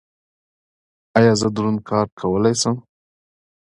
ایا زه دروند کار کولی شم؟